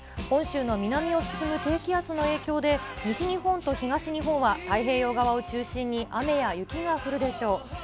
本州の南を進む低気圧の影響で、西日本と東日本は太平洋側を中心に雨や雪が降るでしょう。